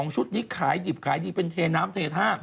ชุดนี้ขายดิบขายดีเป็นเทน้ำเททา